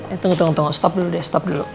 eh tunggu tunggu tunggu stop dulu deh stop dulu